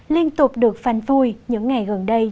liên tục được phanh phui những ngày gần đây